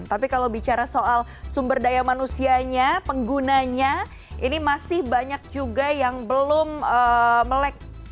tapi kalau bicara soal sumber daya manusianya penggunanya ini masih banyak juga yang belum melek